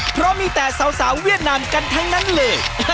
เพราะมีแต่สาวเวียดนามกันทั้งนั้นเลย